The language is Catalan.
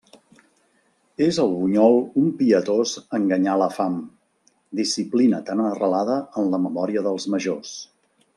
És el bunyol un pietós enganyar la fam, disciplina tan arrelada en la memòria dels majors.